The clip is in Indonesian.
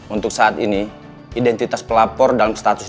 untuk saat ini identitas pelapor dalam status